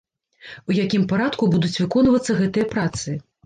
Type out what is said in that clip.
У якім парадку будуць выконвацца гэтыя працы?